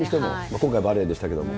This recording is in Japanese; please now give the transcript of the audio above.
今回バレーでしたけれども。